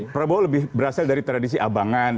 prabowo lebih berasal dari tradisi abangan